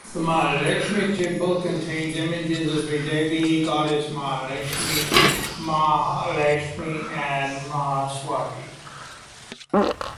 The Mahalaxmi temple contains images of the Tridevi goddesses Mahakali, Mahalakshmi, and Mahasaraswati.